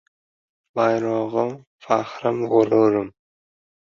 Bayrog‘im – faxrim, g‘ururim